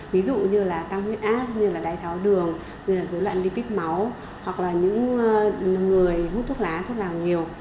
ví dụ như là ca nguyên ác như là đài tháo đường như là dưới loạn lipid máu hoặc là những người hút thuốc lá thuốc nào nhiều